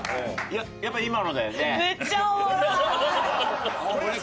やっぱ今のだよね？